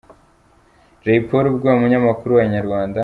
Jay Polly ubwo umunyamakuru wa Inyarwanda.